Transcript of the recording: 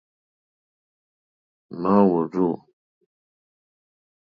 Ŋmáá wòrzô.